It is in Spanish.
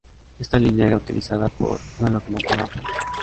Esta línea era utilizada por una locomotora a vapor.